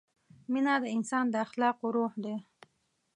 مینه د انسان د اخلاقو روح ده.